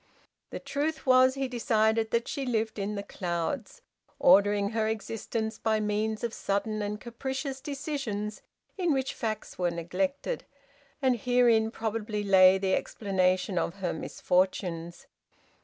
The truth was, he decided, that she lived in the clouds, ordering her existence by means of sudden and capricious decisions in which facts were neglected, and herein probably lay the explanation of her misfortunes.